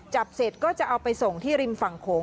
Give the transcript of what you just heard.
เสร็จก็จะเอาไปส่งที่ริมฝั่งโขง